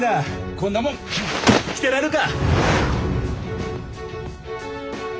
こんなもん着てられるか。